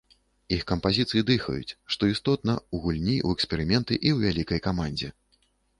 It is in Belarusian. Іх кампазіцыі дыхаюць, што істотна, у гульні ў эксперыменты і ў вялікай камандзе.